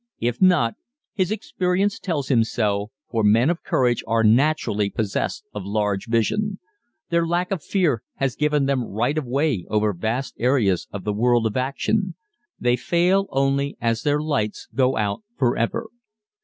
If not, his experience tells him so, for men of courage are naturally possessed of large vision. Their lack of fear has given them right of way over vast areas of the world of action. They fail only as "their lights go out forever."